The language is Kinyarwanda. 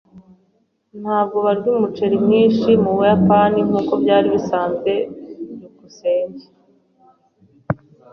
Ntabwo barya umuceri mwinshi mubuyapani nkuko byari bisanzwe. byukusenge